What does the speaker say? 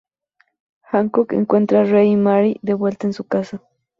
Hancock encuentra a Ray y Mary de vuelta en su casa.